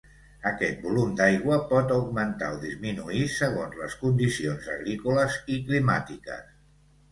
Aquest volum d'aigua pot augmentar o disminuir segons les condicions agrícoles i climàtiques.